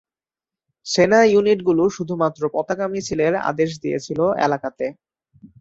সেনা ইউনিটগুলি শুধুমাত্র পতাকা মিছিলের আদেশ দিয়েছিল এলাকাতে।